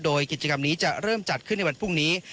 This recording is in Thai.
โดยกิจกรรมนี้จะเริ่มจัดขึ้นในวันพรุ่งนี้